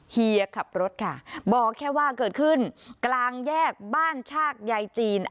เฮียขับรถค่ะบอกแค่ว่าเกิดขึ้นกลางแยกบ้านชากยายจีน